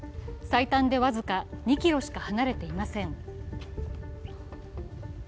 最短で僅か２ｋｍしか離れていません。